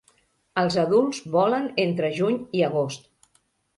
Els adults volen entre juny i agost.